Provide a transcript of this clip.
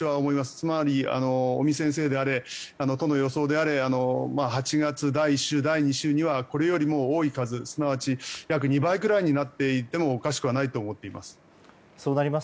つまり、尾身先生であれ都の予想であれ８月第１週、第２週にはこれよりも多い数、すなわち約２倍くらいになっていってもおかしくないと思っています。